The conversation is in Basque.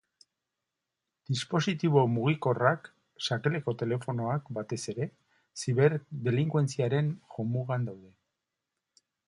Dispositibo mugikorrak, sakelako telefonoak, batez ere, ziberdelinkuentziaren jomugan daude.